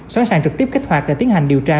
sẵn sàng trực tiếp kích hoạt để tiến hành điều tra